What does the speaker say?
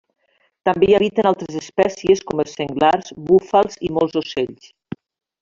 També hi habiten altres espècies com els senglars, búfals i molts ocells.